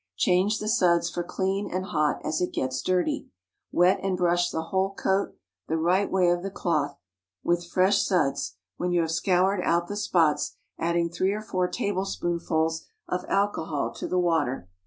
Change the suds for clean and hot as it gets dirty. Wet and brush the whole coat, the right way of the cloth, with fresh suds, when you have scoured out the spots, adding three or four tablespoonfuls of alcohol to the water.